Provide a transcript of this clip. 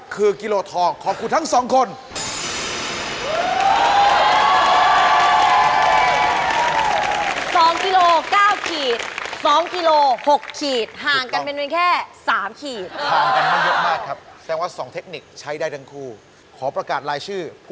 เพราะว่ารอบแจ็คพอตรออยู่แค่เอื้อม